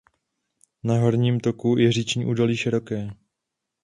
Na horním toku je říční údolí široké.